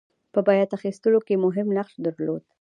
په بیعت اخیستلو کې مهم نقش درلود.